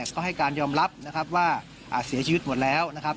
ก็ให้การยอมรับว่าเสียชีวิตหมดแล้ว